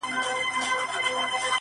هلئ ځغلئ چي هلاک نه شئ يارانو,